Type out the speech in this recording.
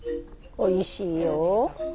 おいしいよ